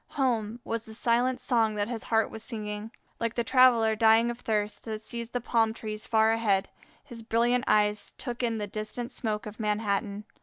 home! was the silent song that his heart was singing. Like the traveller dying of thirst, that sees the palm trees far ahead, his brilliant eyes took in the distant smoke of Manhattan.